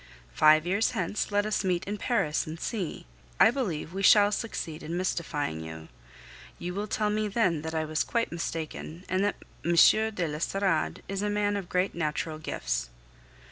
Five years hence let us meet in Paris and see! I believe we shall succeed in mystifying you. You will tell me then that I was quite mistaken, and that M. de l'Estorade is a man of great natural gifts.